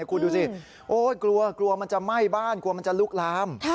คุณดูสิกลัวกลัวมันจะไหม้บ้านกลัวมันจะลุกลาม